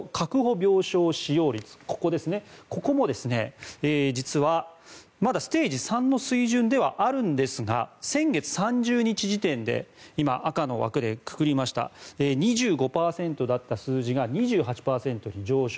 病床使用率も実はまだステージ３の水準ではあるんですが先月３０日時点で今、赤の枠でくくりました２５％だった数字が２８％に上昇。